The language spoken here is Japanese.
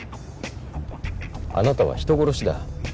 あなたは人殺しだ。